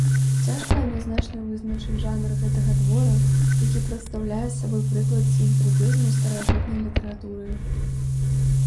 Цяжка адназначна вызначыць жанр гэтага твора, які прадстаўляе сабой прыклад сінкрэтызму старажытнай літаратуры.